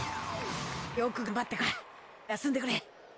よく頑張ってくれた休んでくれ。